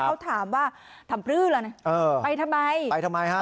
เขาถามว่าทำพลื้อแล้วนะเออไปทำไมไปทำไมฮะ